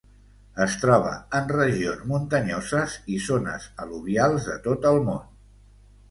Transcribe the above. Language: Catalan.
Es troba en regions muntanyoses i zones al·luvials de tot el món.